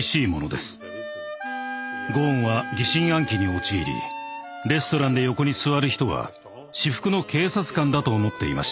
ゴーンは疑心暗鬼に陥りレストランで横に座る人は私服の警察官だと思っていました。